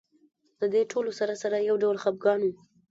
د دې ټولو سره سره یو ډول خپګان و.